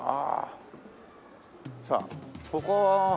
さあここは。